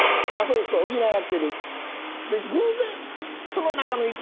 そうそう補い合ってる。